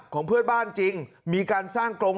ของเพื่อนบ้านจริงมีการสร้างกรง